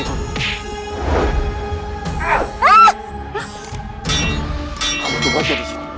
kamu tunggu aja di sini